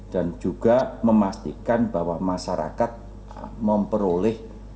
dan juga memastikan bahwa masyarakat memperoleh